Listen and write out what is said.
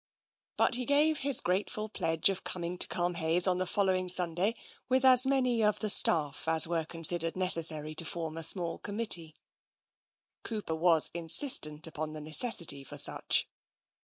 But he gave his grateful pledge of coming to Culmhayes on the following Sun day with as many of the staff as were considered necessary to form a small committee. Cooper was insistent upon the necessity for such.